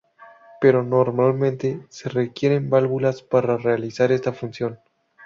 Pero normalmente se requieren válvulas para realizar esta función.